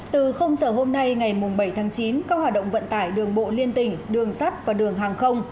từ giờ hôm nay ngày bảy tháng chín các hoạt động vận tải đường bộ liên tỉnh đường sắt và đường hàng không